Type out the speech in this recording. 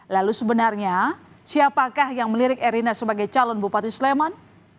lalu sebenarnya siapakah yang melirik erina sebagai calon bupati sleman